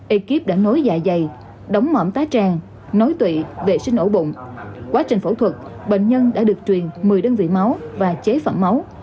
ekip đã nối dài dày đóng mẩm tái trang nối tụy vệ sinh ổ bụng quá trình phẫu thuật bệnh nhân đã được truyền một mươi đơn vị máu và chế phẩm máu